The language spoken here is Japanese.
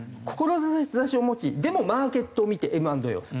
志を持ちでもマーケットを見てＭ＆Ａをする。